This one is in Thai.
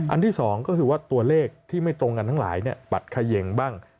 ที่สองก็คือว่าตัวเลขที่ไม่ตรงกันทั้งหลายบัตรเขย่งบ้าง